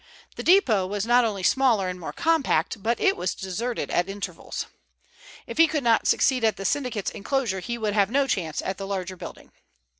The depot was not only smaller and more compact, but it was deserted at intervals. If he could not succeed at the syndicate's enclosure he would have no chance at the larger building.